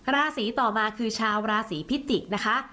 ราศีต่อมาคือชาวราศีพิจิกษ์นะคะ